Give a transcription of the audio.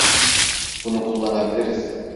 Bunu kullanabiliriz.